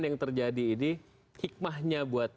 yang terjadi ini hikmahnya buat